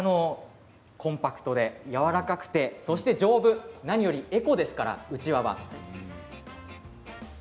コンパクトでやわらかくてそして丈夫、何よりもエコですからうちわは。